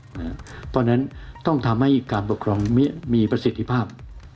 เพราะฉะนั้นต้องทำให้การปกครองมีประสิทธิภาพ